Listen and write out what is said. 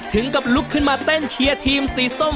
ถึงกับลุกขึ้นมาเต้นเชียร์ทีมสีส้ม